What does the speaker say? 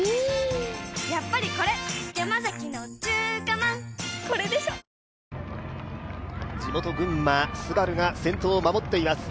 三井不動産地元・群馬、ＳＵＢＡＲＵが先頭を守っています。